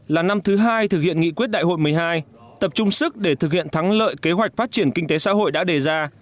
là năm thứ hai thực hiện nghị quyết đại hội một mươi hai tập trung sức để thực hiện thắng lợi kế hoạch phát triển kinh tế xã hội đã đề ra